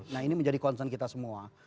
nah ini menjadi concern kita semua